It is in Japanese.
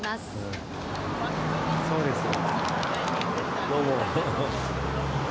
そうです。